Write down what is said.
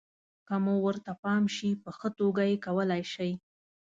که مو ورته پام شي، په ښه توګه یې کولای شئ.